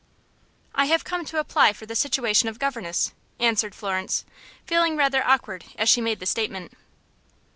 "I have come to apply for the situation of governess," answered Florence, feeling rather awkward as she made the statement.